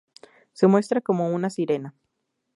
Se muestra como una sirena.